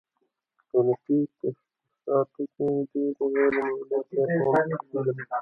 په دولتي تشبثاتو کې ډېر غیر مولد کارکوونکي شتون لري.